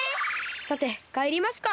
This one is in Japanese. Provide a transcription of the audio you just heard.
さてかえりますか。